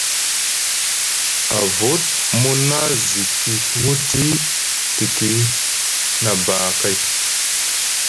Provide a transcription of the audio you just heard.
Avut mu na ziki wuti tiki nʼabakay.